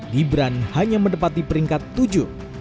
gibran hanya menepati peringkat tujuh